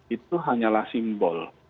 itu hanyalah simbol